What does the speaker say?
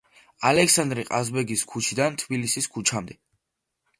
ალექსანდრე ყაზბეგის ქუჩიდან თბილისის ქუჩამდე.